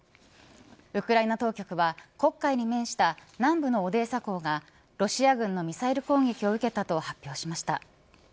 ウクライナ当局は黒海に面した南部のオデーサ港がロシア軍のミサイル攻撃を受けたと発表しました。